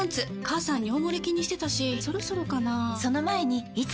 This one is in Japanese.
母さん尿モレ気にしてたしそろそろかな菊池）